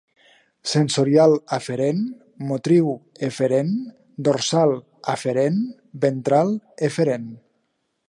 Sensorial aferent, motriu eferent, dorsal aferent, ventral eferent.